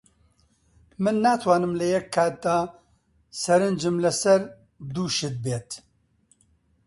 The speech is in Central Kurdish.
من ناتوانم لە یەک کاتدا سەرنجم لەسەر دوو شت بێت.